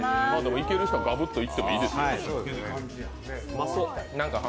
いける人はがぶっといってもいいですよ。